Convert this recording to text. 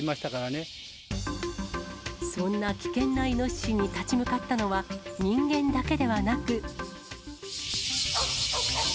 そんな危険なイノシシに立ち向かったのは、人間だけではなく。